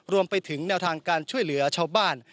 รวมไปถึงแนวทางการช่วยเหลือชาวบ้าน